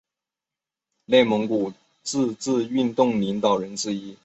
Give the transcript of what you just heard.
蒙古自治运动领导人之一。